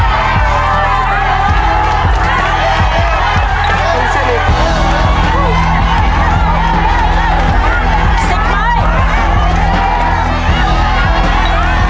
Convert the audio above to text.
โจทย์ซีฟู้ดจำนวน๑๐ไม้